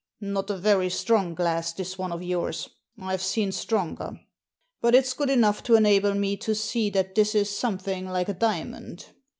" Not a very strong glass, this one of yours ; I've seen stronger. But it's good enough to enable me to see that this is something like a diamond.